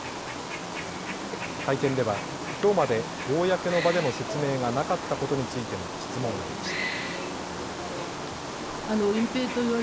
会見ではきょうまで公の場での説明がなかったことについても質問が出ました。